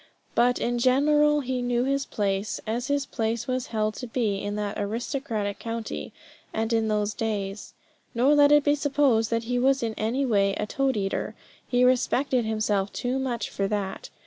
But in general he knew his place; as his place was held to be in that aristocratic county, and in those days. Nor let be supposed that he was in any way a toadeater. He respected himself too much for that.